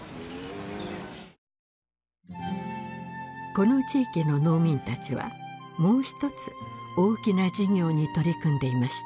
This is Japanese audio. この地域の農民たちはもう一つ大きな事業に取り組んでいました。